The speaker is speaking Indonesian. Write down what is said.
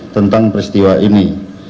tentang peristiwa ini